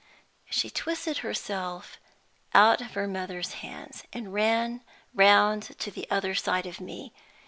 She twisted herself out of her mother's hands, and ran round to the other side of me.